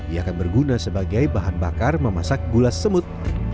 ia akan berguna sebagai bahan bakar memasak gula semut